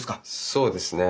そうですね。